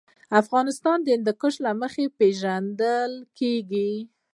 افغانستان د هندوکش له مخې پېژندل کېږي.